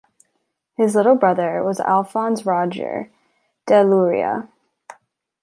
His little brother was Alfons Roger de Llúria.